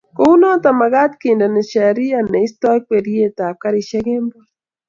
kou noto komagaat kendeno Sheria neistoi kekwerie karishek kemboi